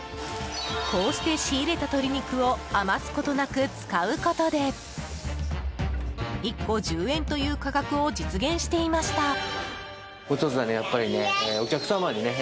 こうして仕入れた鶏肉を余すことなく使うことで１個１０円という価格を実現していました。